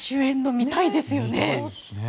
見たいですね。